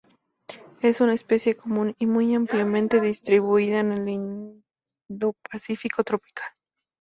Es una especie común y muy ampliamente distribuida en el Indo-Pacífico tropical.